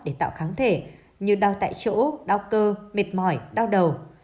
để tạo kháng thể như đau tại chỗ đau cơ mệt mỏi đau đầu